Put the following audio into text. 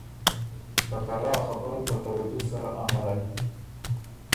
که ته رۀ ا خبُرئ په توجھ سره امرئ۔